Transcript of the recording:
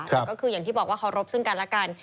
แต่ก็คืออย่างที่บอกว่าเคารพซึ่งกันและกัน